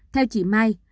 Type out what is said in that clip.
theo chị mai